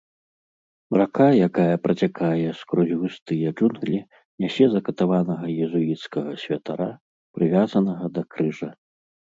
Рака, якая працякае скрозь густыя джунглі, нясе закатаванага езуіцкага святара, прывязанага да крыжа.